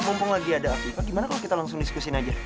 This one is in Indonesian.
mumpung lagi ada afifa gimana kalau kita langsung diskusiin aja